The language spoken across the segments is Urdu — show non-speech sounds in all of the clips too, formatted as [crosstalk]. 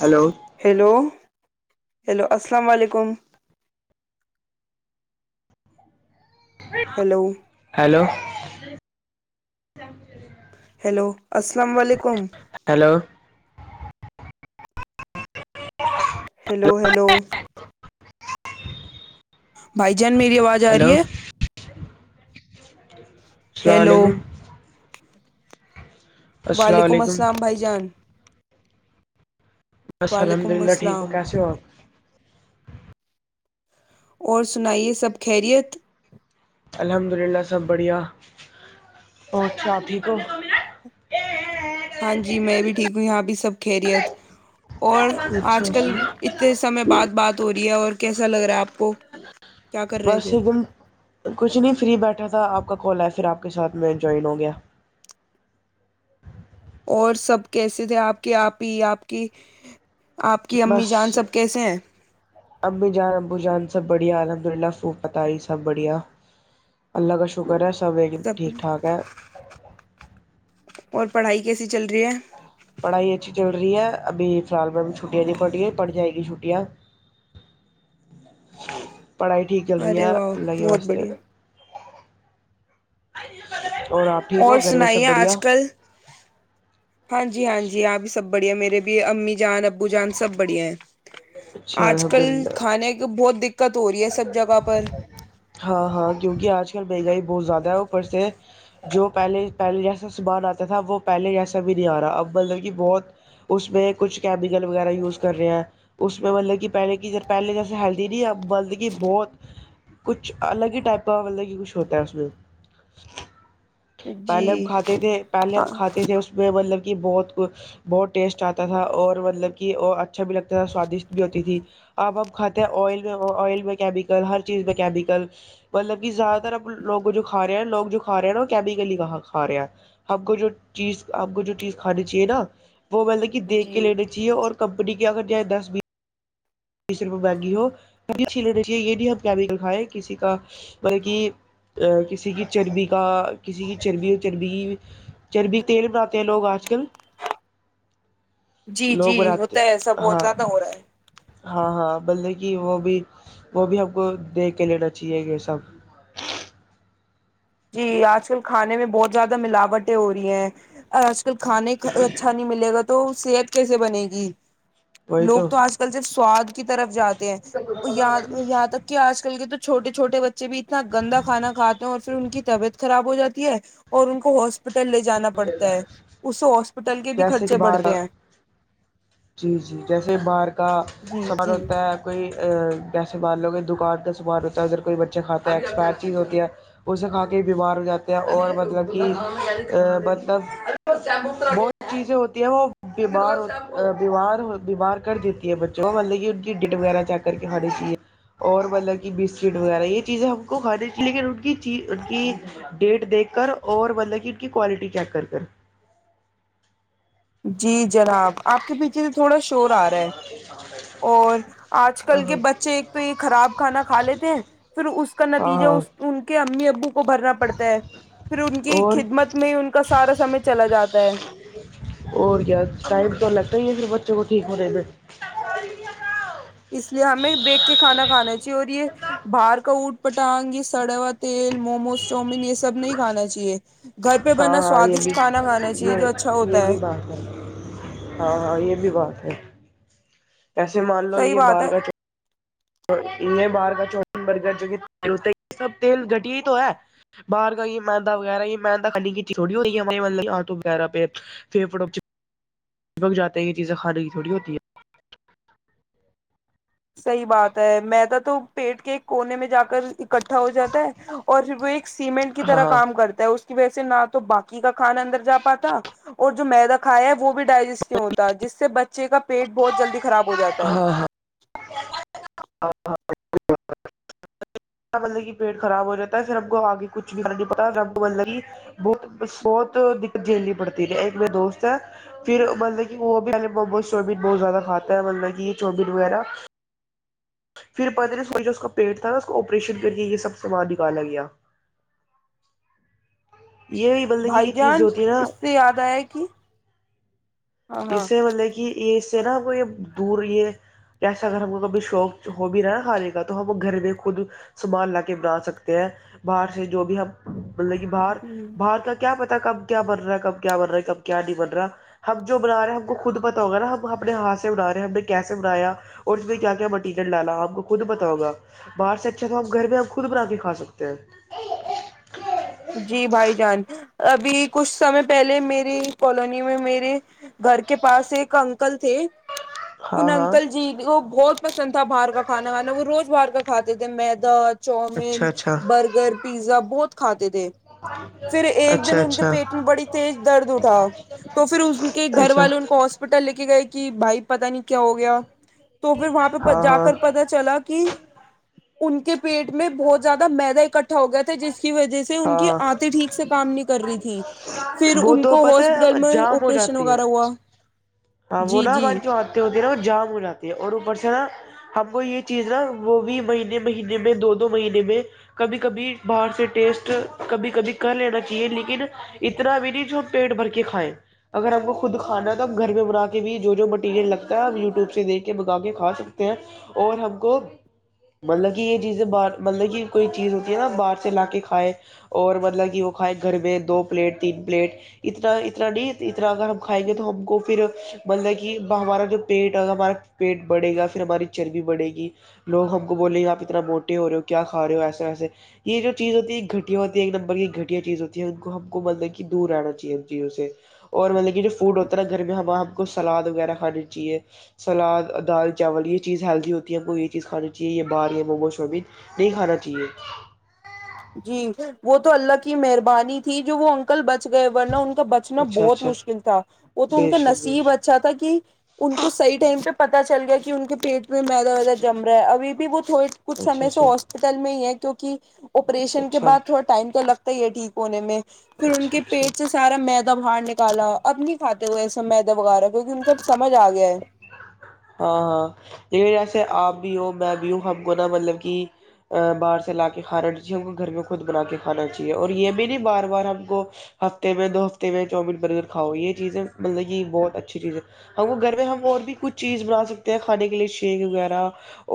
ہلو ہیلو ہیلو السلام علیکم ہیلو ہیلو ہیلو السلام علیکم ہلو ہیلو ہیلو بھائی جان میری آواز آ ہیلو رہی ہے السلام ہیلو علیکم السلام وعلیکم علیکم السلام بھائی جان بس الحمد وعلیکم للہ ٹھیک ہو السلام کیسے ہو آپ؟ اور سنائیے سب خیریت الحمد للہ سب بڑھیا بہت ساتاتھی کو ہاں جی میں بھی ٹھیک ہوں یہاں بھی سب کہریت اور اچھا آج کل اچھا اتنے سمے بعات بات ہو رہی ہے اور کیسا لگ رہا ہے آپ کو کیا کر رہے بس تھے ایک دم کچھ نہیں فری بیٹھا تھا آپ کا کھولا ہے پھر اپ کے ساتھ میں جوائن ہو گیا اور سب کیسے تھے اپ کے اپ ہی اپ کی آپ کی امی بس جان سب کیسے ہیں امی جان ابو جان سب الحمدللہ سو پتہ ہی سب بڑھیا اللہ کا شکر ہے سب ٹھیک ٹھاک ہے اور پڑھائی کیسی چل رہی ہے پڑھائی اچھی چل رہی ہے ابھی فرال چھٹیاں دی پڑی ہے پڑ جائے گی چھٹیاں پڑھائی ٹھیک چل رہی ارے ہے اللہ واہ کے بہت واسطے بڑھیا [inaudible] ہو اور گھر میں سب سنائیے بڑھیا اج کل ہاں جی ہاں جی اپ ہی سب بڑھیا میرے بھی امی جان ابو جان سب بڑھیا ہیں اچھا اج الحمد کل للہ کھانے کو بہت دقت ہو رہی ہے سب جگہ پر ہاں ہاں کیونکہ اج کل مہنگائی۔۔۔۔ بہت زیادہ ہے۔ اوپر سے جو پہلے پہلے جیسے سامان اتا تھا وہ پہلے جیسا بھی نہیں ا رہا۔ اب مطلب کہ بہت اس میں کچھ کیمیکل وغیرہ یوز کر رہے ہیں۔ اس میں مطلب کہ پہلے کی پہلے جیسے ہیلدی نہیں ہے۔۔۔۔ یہ بہت کچھ الگ ہی ٹائپہ کا مطلب کہ کچھ ہوتا ہے اس میں۔ جی پہلے کھاتے تھے پہلے اب ہاں کھاتے تھے اس میں مطلب۔۔۔۔ کی بہت بہت ٹیسٹ اتا تھا اور مطلب کہ وہ اچھا بھی لگتا تھا سوادشت بھی ہوتی تھی اب اپ کھاتے ہیں ائل میں وہ ائل میں کیمیکل ہر چیز مکینیکل مطلب کہ زیادہ تار اب لوگ جو کھا رہے ہیں لوگ جو کھا رہے ہیں نا کہ کیمیکل۔۔۔۔ ۔۔۔ اپ کو جو چیز اپ کو جو چیز کھانی چاہیے نا۔۔۔ وہ مطلب کہ دیکھ کے جی لینے چاہیے اور کمپنی۔۔۔ یا اگر جائے دس بیس۔۔۔ صرف بھاگی ہو یہ بھی ہم کھائیں کسی کا کسی کی چربی کا کسی کی چربی اور چربی چربی تیل بناتے ہیں لوگ اج کل۔۔ جی لوگ جی بناتے ہوتا ہے ایسا بہت ہاں زیادہ ہو رہا ہے۔ ہاں ہاں مطلب کہ وہ بھی وہ بھی اپ کو دیکھ کے لینا چاہیے یہ سب۔ جی اج کل کھانے میں بہت زیادہ ملاوٹیں ہو رہی ہیں۔ کھانے اچھا نہیں ملے گا۔۔ تو صحت کیسے بنے گی؟ لوگ تو اج کل جب سواد کی طرف جاتے ہیں یہاں تک کہ اج۔۔ کل کے تو چھوٹے چھوٹے۔۔۔ بچے بھی اتنا گندا کھانا کھاتے ہیں اور پھر ان کی۔۔۔۔ طبیعت خراب ہو جاتی ہے اور ان کو ہاسپٹل۔۔۔ لے جانا پڑتا ہے اس ہاسپٹل کے بھی جیسے کہ خرچے باہر کا بڑھتے ہیں۔۔۔ جی جی جیسے بار کا جی سامان جی ہوتا ہے کوئی۔۔۔ جیسے مان لو کہ دکان کا سامان ہوتا ہے۔ اگر کوئی بچے کھاتا ہے ایکسپائر چیز ہوتی ہے اسے کھا کے بیمار ہو جاتے ہیں اور مطلب کی بہت چیزیں ہوتی ہیں وہ بیمار ہوتی۔۔۔۔ بیمار بیمار کر دیتی ہے بچوں کو۔ مطلب کہ ان کی ڈیٹ وغیرہ چیک کر کے کھانی چاہیے اور مطلب کہ بسکٹ وغیرہ یہ چیزیں ہم کو کھانی چاہیے۔ لیکن ان کی ڈیٹ دیکھ کر اور مطلب کہ ان کی کوالٹی چیک کر کر۔ جی جناب اپ کے پیچھے سے تھوڑا۔۔۔ شور ا رہا ہے اور اج ہاں کل کے بچے تو یہ خراب کھانا کھا لیتے ہیں۔۔۔ [inaudible] اس کا ہاں نتیجہ ہاں ان کے امی ابو کو۔۔۔ ۔۔ بھرنا پڑتا ہے۔ پھر ان کی اور خدمت میں ان کا سارا سمے چلا جاتا ہے۔ اور کیا ٹائم تو لگتا ہی ہے پھر بچوں کو ٹھیک ہونے میں۔ اس لیے ہمیں دیکھ کے کھانا کھانا۔۔۔ جو اور یہ باہر کا ووٹ۔۔ پٹانگ یہ سڑا ہوا تیل، موموز، جومن۔۔۔ سب نہیں کھانا چاہیے۔ گھر پہ ہاں بنا ہاں یہ سوادشت بھی کھانا کھانا چاہیے جو اچھا یہ ہوتا یہ ہے۔ بھی بات ہے ہاں ہاں یہ بھی بات ہے۔ ایسے مان لو صحیح یہ بات باہر ہے کا۔۔۔ [inaudible] چپک جاتے ہیں یہ چیزیں کھانے کی تھوڑی ہوتی صحیح بات ہے میں تو پیٹ کے کونے میں جا کر اکٹھا ہو جاتا ہے اور پھر وہ ایک سیمنٹ کی ہے ہاں طرح ہاں کام کرتا ہے اس ویسے نہ تو باقی کا کھانا اندر جا پاتا اور جو میں رکھا ہے وہ بھی کیوں ہوتا ہے جس سے بچے کا پیٹ بہت جلدی خراب ہو جاتا ہے بندے کی پیٹ خراب ہو جاتا ہے صرف کو اگے کچھ بھی نہیں پتا لگی بہت جیلنی پڑتی رہے ایک میرے دوست ہے پھر مطلب کہ وہ بھی میں نے وغیرہ پھر پتہ نہیں اس کا جو اس کا پیٹ تھا نا اس کو آپریشن کر کے یہ سب سامان نکالا گیا یہ مطلب کہ بھائی یہ چیزیں جان ہوتی ہے نا اس سے یاد ہے کہ ہاں اس سے ملے گی اس تیرا کوئی دور یہ ایسا اگر وہ کبھی شوق ہو بھی رہا ہے خالی کا تو وہ گھر میں خود سنبھالنا کے بنا سکتے ہیں باہر سے جو بھی ہم باہر ہاں بھارت کا کیا تک اپ کیا کر رہا ہے کب کیا بن رہا ہے کب کیا ڈیبٹ رہا اب جو بنا رہے ہیں ہم کو خود پتہ ہوگا نا اپنے ہاتھ سے بنا رہے ہیں ابے کیسے بنایا اور اس میں کیا کیا وہ ٹکٹ لانا اپ کو خود بتاؤں گا باہر سے اچھا تو اب گھر میں اپ خود بنا کے کھا سکتے ہیں جی بھائی جان ابھی کچھ ہمیں پہلے میری کالونی میں میرے گھر کے پاس ایک انکل تھے ہاں ان ہاں انکل جی بہت پسند تھا بارگا خانہ خانہ وہ روز بار کا کھاتے جب معدہ چاول اچھا اچھا برگر پیزا بہت [unintelligible] پھر ایک اچھا دن ان کے اچھا پیٹ میں بڑی تیز درد اٹھا تو پھر ان کے گھر اچھا والوں کو ہاسپٹل لے کے گئے کی بھائی پتہ نہیں کیا ہو گیا تو پھر وہاں پہ ہاں جا ہاں کر پتہ چلا کہ ان کے پیٹ میں بہت زیادہ میدہ اکٹھا ہو گیا تھا جس کی وجہ ان کی ہاں اتی ٹھیک سے کام نہیں کر رہی تھی پھر وہ ان تو کو پتہ ہاسپٹل ہے میں جام ہو اپریشن جاتی وغیرہ ہیں ہوا جی جی [unintelligible] میرا جام ہو جاتی ہے اور اوپر سے نا ہم کو یہ چیز نا وہ بھی مہینے مہینے میں دو دو مہینے میں کبھی کبھی باہر سے ٹیسٹ کبھی کبھی کر لینا چاہیے لیکن اتنا بھی نہیں جو پیٹ بھر کے کھائیں اگر اپ کو خود کھانا بنا کے بھی جو جو مٹیریل لگتا ہے اپ یوٹیوب سے دیکھ کے بتا کے کھا سکتے ہیں اور ہم کو مطلب کہ یہ چیزیں مطلب یہ کوئی چیز ہوتی ہے نا باہر سے لا کے کھائے اور مطلب کہ وہ کھائے گھر میں دو پلیٹ تین پلیٹ اتنا اتنا نہیں کھائیں گے تو ہم کو بندگی ہمارا جو پیڈ ہوگا ہمارا پیٹ پڑے گا پھر ہماری چربی بڑھے گی لوگ ہم کو بولیں گے اپ اتنا موٹے ہو رہے ہو کیا کھا رہے ہو ایسے یہ جو چیز ہوتی ہے گھٹیا ہوتی ہے ایک نمبر کی گھٹیا چیز ہوتی ہے ان کو ہم کو مطلب کتنی دور انا چاہیے اسے اور لیکن جو فوڈ ہوتا ہے نا درمیان ہم اپ کو سلانی چاہیے سلاد دال چاول یہ چیز ہیلدی ہوتی ہے کوئی یہ چیز خالوجی یہ بات یہ وہ شوبی نہیں کھانا چاہیے جی وہ تو اللہ کی مہربانی تھی جو وہ انکل بچ گئے تو بچنا اچھا بہت اچھا مشکل تھا وہ تو ان بے کے شک بے نصیب شک اچھا تھا کہ ان کو صحیح ٹائم پہ پتہ چل گیا کہ ان کے پیٹ میں میں ادھر ادھر جم رہا ہے ابھی بھی وہ تو کچھ اچھا ہمیں اس اچھا ہاسپٹل میں ہی ہے [unintelligible] اپریشن کے اچھا بعد تھوڑا ٹائم تو ٹھیک ہونے میں اور ان اچھا کے اچھا پیج سے سارا می [unintelligible] تب باہر نکالا اپنی کھاتے ہوئے سمیدہ وغیرہ ان کو سمجھ اگیا ہے ہاں ہاں [inaudible] ہم کو گھر میں ہم اور بھی کچھ چیز بنا سکتے ہیں کھانے کے لیے شیک وغیرہ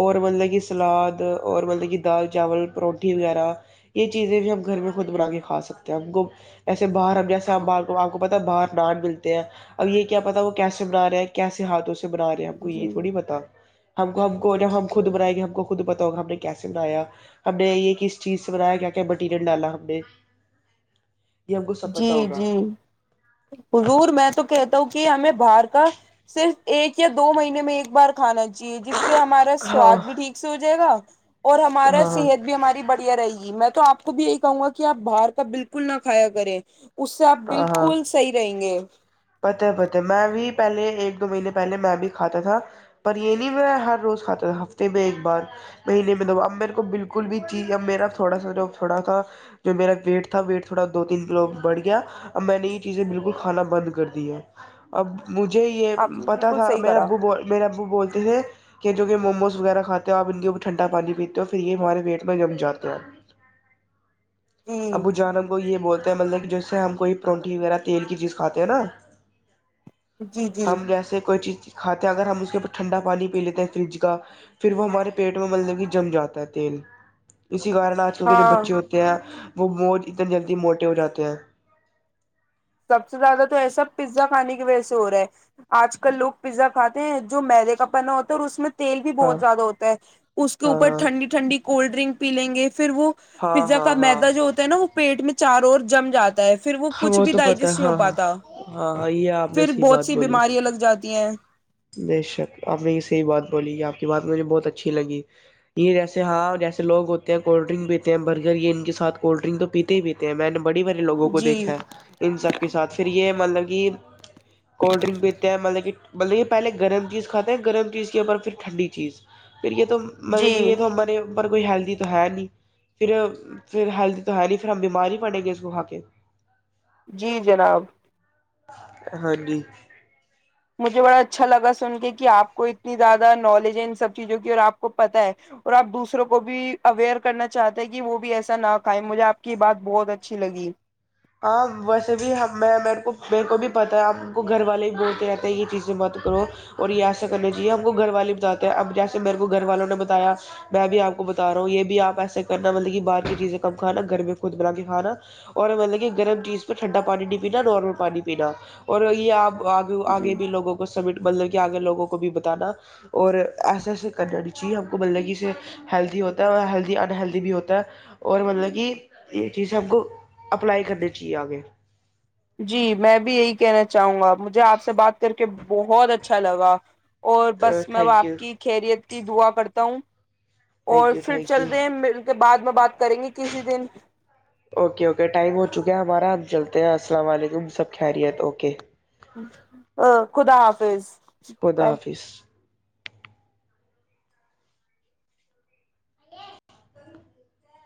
اور مطلب یہ سلاد اور بندے کی دال چاول پروٹی وغیرہ یہ چیزیں بھی ہم گھر میں خود بنا کے کھا سکتے ہیں اپ کو ایسے باہر اب جیسے اپ بار کو اپ کو پتہ ہے باہر نان ملتے ہیں اب یہ کیا پتہ وہ کیسے بنا رہا ہے کیسے ہاتھوں سے بنا رہے ہیں اپ کو یہ جی تھوڑی بتا اپ کو اپ کو جب ہم خود بنائیں گے ہم کو خود پتہ ہوگا ہم نے کیسے بنایا ہم نے یہ کس چیز سے بنایا گیا کہ مٹیریل ڈالا ہم نے یہ ہم کو سب جی پتا ہوگا جی حضور میں تو کہتا ہوں کہ ہمیں باہر کا صرف ایک یا دو مہینے میں ایک بار کھانا چاہیے جس سے ہمارا ہاں سواد بھی ٹھیک سے ہو جائے گا اور ہمارا ہاں ہاں صحت بھی ہماری بڑھیا رہے گی میں تو اپ کو بھی یہی کہوں گا کہ اپ باہر کا بالکل نہ کھایا [unintelligible] اس سے اپ ہاں ہاں بالکل صحیح رہیں گے [inaudible] پتہ ہے پت ہے میں بھی پہلے ایک تو ملے پہلے میں بھی کھاتا تھا پر یہ نہیں میں ہر روز کھاتا ہفتے میں ایک بار مہینے میں تو اب میرے کو بالکل بھی جی اب میرا تھوڑا سا جو تھوڑا سا جو میرا ویٹ تھا ویٹ تھوڑا دو تین لوگ بڑھ گیا اب میں نہیں چیزیں بالکل کھانا بند ہے اب [unintelligible] مجھے یہ آپ نے پتہ بالکل تھا صحیح میرے کرا ابو میرے ابو بولتے ہیں کہ کیونکہ محمد وغیرہ کھاتے ہو اپ ان کے اوپر ٹھنڈا پانی پیتے ہو پھر یہ ہمارے ویٹ میں جم جاتے ہیں جی ابو جانب کو یہ بول جیسے ہم کوئی پرنٹی وغیرہ تیل کی چیز کھاتے ہیں نا جی جی ہم جیسے کوئی چیز تاکہ اگر ہم اس کے اوپر ٹھنڈا پانی پی لیتے ہیں فریج کا پھر وہ ہمارے پیٹ میں ملنے کی جم جاتا ہے تیل ہاں [unintelligible] وہ اتنی جلدی موٹے ہو جاتے ہیں سب سے زیادہ تو ایسا پزا کھانے کی وجہ سے ہو رہا ہے اج کل لک پزا کھاتے ہیں جو میلے کا پنا ہوتا تیل بھی ہاں بہت زیادہ ہوتا ہے اس کے ہاں اوپر ٹھنڈی ٹھنڈی کولڈ ڈرنک پی لیں گے پھر وہ ہاں پزا کا ہاں ہاں میدہ جو ہوتا ہے نا وہ پیٹ میں چار اور جمجا دے پھر وہ ہاں کچھ بھی تو دے پتہ ہاں ہاں، یہ آپ نے پھر صحیح بہت بات سی بولی ہے، بیماریاں لگ جاتی ہیں بے شک آپ نے صحیح بات بولی۔ ویسے ہی ہے جیسے لوگ کولڈ ڈرنک پیتے ہیں اور برگر کھاتے ہیں، یہ کولڈ ڈرنک تو پیتے بھی تھے، میں نے۔ بڑے بڑے والوں لوگوں کو دی۔ جی ہاں پھر ان سب کے ساتھ یہ، مطلب کہ کولڈ ڈرنک پیتے ہیں، مطلب کہ پہلے تو گرم چیز کھاتے ہیں پھر ٹھنڈی چیز۔ پھر یہ تو جی کہ یہ ماری ہوں گے۔ پر کوئی ہیلتھی تو ہے ہی نہیں، پھر بیمار تو نہیں پڑیں گے اس کو کھا کے۔ جی جناب، ہاں جی، مجھے بڑا اچھا لگا سن کر کہ آپ کو ان سب چیزوں کی اتنی زیادہ معلومات ہیں، اور آپ دوسروں کو بھی آگاہ کرنا چاہتے ہیں کہ وہ بھی ایسی چیزیں نہ کھائیں۔ آج مجھے بھی لگا کہ مجھے بھی پتا ہے، آپ کو گھر والے ہی بتاتے ہیں کہ یہ چیزیں مت کرو، یہ چیزیں ایسے کرو۔ جیسے مجھے گھر والوں نے بتایا، میں بھی آپ کو بتاؤں کہ باہر کی چیزیں نہیں کھانی، گھر میں خود بنا کر کھان [inaudible] گرم چیز پہ ٹھنڈا پانی نہیں پینا نارمل پانی پینا اور یہ آپ آگ جی آگے بھیوگوں کو سمیٹ مطلب کہ آگے آگے لوگوں کو بتانا کہ ایسے ایسے۔ کرنا نہیں چاہیے ہم کو مطلب کہ اسے ہیلدی ہوتا ہے اور ہیلدی انہلدی بھی ہوتا ہے اور مطلب کہ یہ چیزیں ہم کو سلائی کرے چی آ کے جی میں بھی یہی کہنا چاہوں گا مجھے آپ سے بات کر کے بہت اچھا لگا اور بس میں تھینک یو آپ کی خیریت کی دعا کرتا ہوں [inaudible] تھینک اور یو پھر تھینک یو چلتے ہیں بعد میں بات کریں گے کسی دن اوکے اوکے ٹائم ہو چکا ہے ہمارا ہم جلد السلام علیکم، سب خیریت؟ ا خدا حافظ خدا بائے حافظ